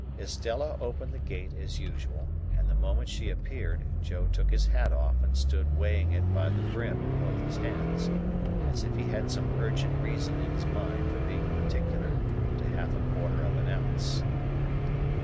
Estella opened the gate as usual, and, the moment she appeared, Joe took his hat off and stood weighing it by the brim in both his hands; as if he had some urgent reason in his mind for being particular to half a quarter of an ounce.